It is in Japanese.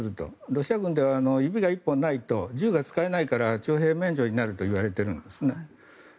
ロシア軍では指が１本ないと銃が使えないから徴兵免除になるといわれているんですね。